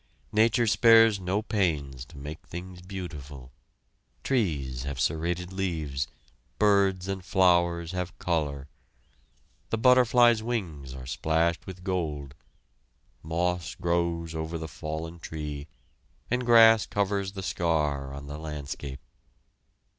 Nature spares no pains to make things beautiful; trees have serrated leaves; birds and flowers have color; the butterflies' wings are splashed with gold; moss grows over the fallen tree, and grass covers the scar on the landscape.